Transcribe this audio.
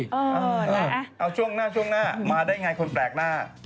เออเอาช่วงหน้ามาได้ไงคนแปลกหน้า